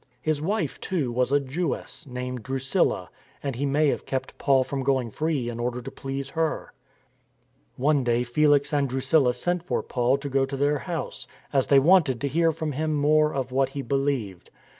His wife, too, was a Jewess, named Drusilla, and he may have kept Paul from going free in order to please her. One day Felix and Drusilla sent for Paul to go to their house, as they wanted to hear from him more 308 STORM AND STRESS of what he believed.